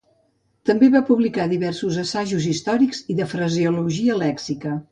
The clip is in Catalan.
També va publicar diversos assajos històrics i de fraseologia lèxica.